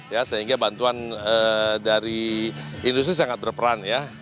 ya sehingga bantuan dari industri sangat berperan ya